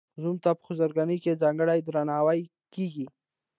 زوم ته په خسرګنۍ کې ځانګړی درناوی کیږي.